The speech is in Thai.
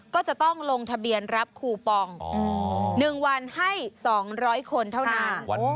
ก็จะต้องลงทะเบียนรับคูปอง๑วันให้๒๐๐คนเท่านั้น